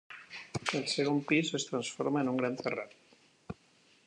El segon pis es transforma en un gran terrat.